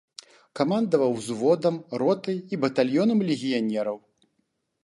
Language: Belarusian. Камандаваў узводам, ротай і батальёнам легіянераў.